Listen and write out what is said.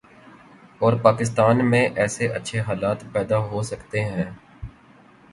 اور پاکستان میں ایسے اچھے حالات پیدا ہوسکتے ہیں ۔